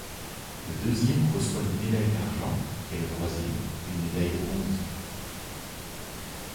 Le deuxième reçoit une médaille d'argent et le troisième, une médaille de bronze.